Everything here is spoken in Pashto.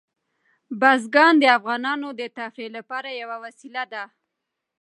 بزګان د افغانانو د تفریح لپاره یوه وسیله ده.